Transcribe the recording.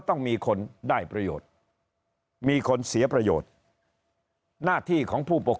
ต้องมีคนได้ประโยชน์มีคนเสียประโยชน์หน้าที่ของผู้ปก